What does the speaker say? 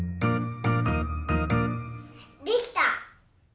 できた！